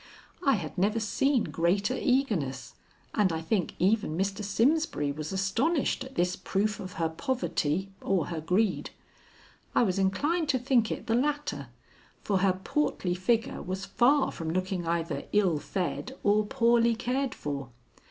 I had never seen greater eagerness, and I think even Mr. Simsbury was astonished at this proof of her poverty or her greed. I was inclined to think it the latter, for her portly figure was far from looking either ill fed or poorly cared for.